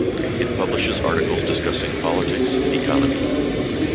It publishes articles discussing politics and economy.